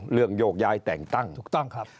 เรื่องโยกย้ายแต่งตั้ง